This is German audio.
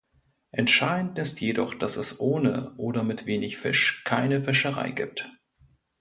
Entscheidend ist jedoch, dass es ohne oder mit wenig Fisch keine Fischerei gibt.